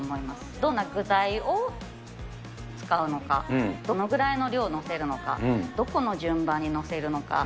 どんな具材を使うのか、どのぐらいの量を載せるのか、どの順番に載せるのか。